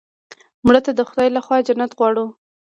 مړه ته د خدای له خوا جنت غواړو